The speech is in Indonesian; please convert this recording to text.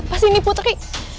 siapa sih ini putri